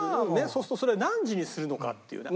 そうするとそれ何時にするのかっていうね。